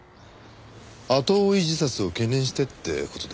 後追い自殺を懸念してって事ですかね？